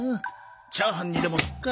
チャーハンにでもすっか。